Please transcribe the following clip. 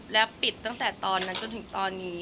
และปิดตั้งแต่ตอนนั้นจนถึงตอนนี้